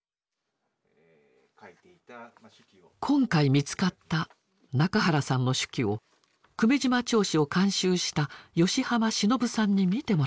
今回見つかった仲原さんの手記を「久米島町史」を監修した吉浜忍さんに見てもらいました。